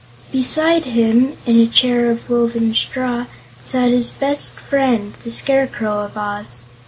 Beside him, in a chair of woven straw, sat his best friend, the Scarecrow of Oz.